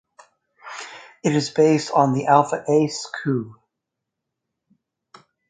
It is based on the Alpha Ace coupe.